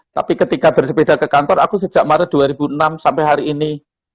tapi ketika bersepeda ke kantor aku sejak maret dua ribu enam sampai hari ini